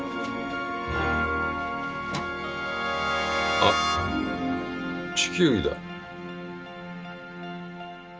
あっ地球儀だ。